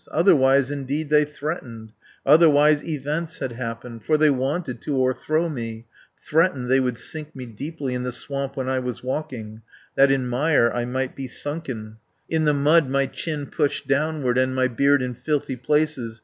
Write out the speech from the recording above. "Otherwise indeed they threatened, Otherwise events had happened, For they wanted to o'erthrow me, Threatened they would sink me deeply 160 In the swamp when I was walking, That in mire I might be sunken, In the mud my chin pushed downward, And my beard in filthy places.